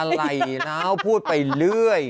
๒อะไรนะพูดไปเรื่อย